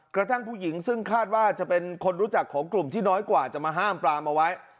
กระทั่งผู้หญิงซึ่งคาดว่าจะเป็นคนรู้จักของกลุ่มที่น้อยกว่าจะมาห้ามปลามเอาไว้